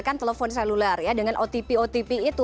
kan telepon seluler ya dengan otp otp itu